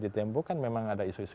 ditempuhkan memang ada isu isu